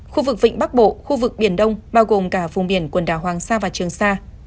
khu vực vịnh bắc bộ khu vực biển đông bao gồm cả vùng biển quần đảo hoàng sa và trường sa